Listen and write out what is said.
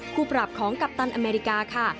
คู่ปรับของกัปตันอเมริกาค่ะ